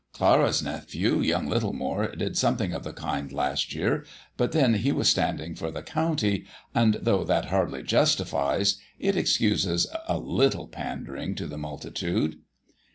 Clara's nephew, young Littlemore, did something of the kind last year, but then he was standing for the county; and though that hardly justifies, it excuses, a little pandering to the multitude."